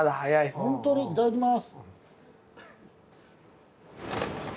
ホントに？いただきます。